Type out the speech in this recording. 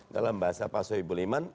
dalam bahasa pak soebul iman